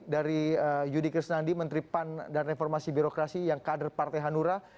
dari yudi krisnandi menteri pan dan reformasi birokrasi yang kader partai hanura